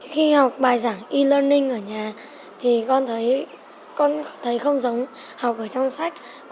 khi học bài giảng e learning ở nhà thì con thấy không giống học ở trong sách